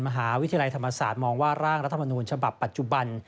มหาวิทยาลัยธรรมศาสตร์มองว่าร่างรัฐมนูญฉบับปัจจุบัน